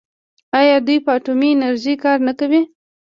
آیا دوی په اټومي انرژۍ کار نه کوي؟